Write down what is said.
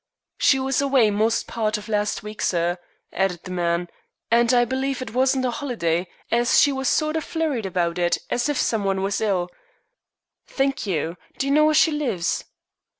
"She was away most part of last week, sir," added the man, "and I believe it wasn't a holiday, as she was a sort of flurried about it as if some one was ill." "Thank you. Do you know where she lives?"